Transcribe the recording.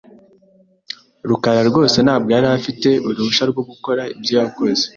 rukara rwose ntabwo yari afite uruhushya rwo gukora ibyo yakoze .